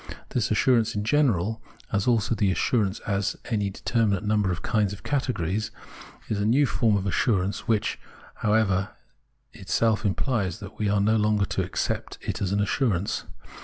This assur ance in general, as also the assurance as to any determinate nimiber of kinds of categories, is a new form of assiu ance, which, however, itself implies that we are no longer to accept it as an assurance.